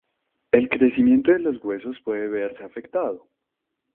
El crecimiento de los huesos puede verse afectado.